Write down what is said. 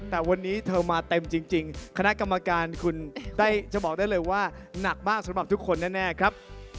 แต่วันนี้เธอมาเต็มจริงคณะกรรมการคุณได้จะบอกได้เลยว่าหนักมากสำหรับทุกคนแน่ครับ